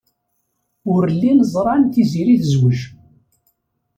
Ur llin ẓran Tiziri tezwej.